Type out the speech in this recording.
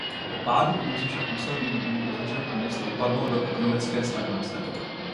Po pádu komunismu však musel být důl uzavřen a město upadlo do ekonomické stagnace.